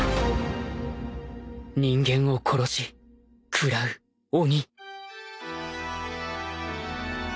人間を殺し喰らう鬼